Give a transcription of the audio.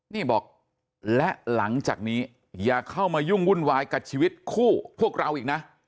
นี่บอกและหลังจากนี้อย่าเข้ามายุ่งวุ่นวายกับชีวิตคู่พวกเราอีกนะ